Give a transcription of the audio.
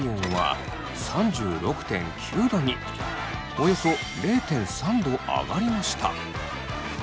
およそ０．３℃上がりました。